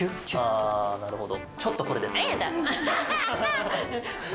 ああなるほど。